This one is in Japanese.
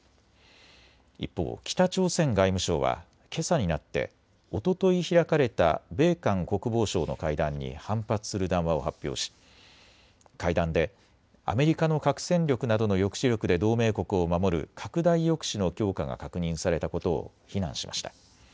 一方、北朝鮮外務省はけさになっておととい開かれた米韓国防相の会談に反発する談話を発表し会談でアメリカの核戦力などの抑止力で同盟国を守る拡大抑止の強化が確認されたことを非難しました。